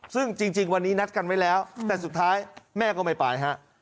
ซึ่งจริงวันนี้นัดกันไว้แล้วแต่สุดท้ายแม่ก็ไม่ไปฮะ